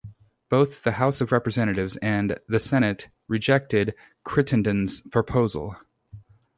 Both the House of Representatives and the Senate rejected Crittenden's proposal.